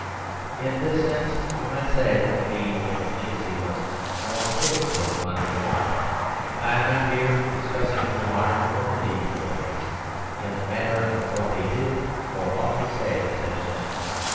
In this sense we might say that mediaeval profligacy was more fixed than modern marriage. I am not here dis cussing either modern or mediaeval ethics, in the matter of what they did say or ought to say of such things.